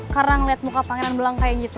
karena ngeliat muka pangeran belang kayak gitu